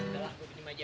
gak lah gua binyum aja